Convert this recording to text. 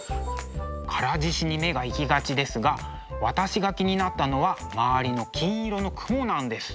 唐獅子に目が行きがちですが私が気になったのは周りの金色の雲なんです。